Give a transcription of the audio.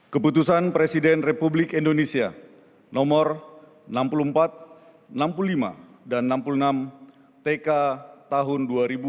keputusan presiden republik indonesia nomor enam puluh empat enam puluh lima dan enam puluh enam tk tahun dua ribu dua puluh